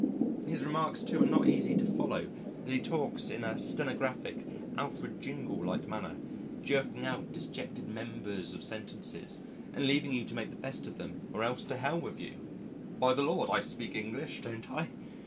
His remarks, too, are not easy to follow, as he talks in a stenographic, Alfred Jingle like manner, jerking out disjected members of sentences, and leaving you to make the best of them or else to Hell with you by the Lord, I speak English, don't I?